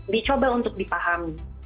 dicoba untuk dipahami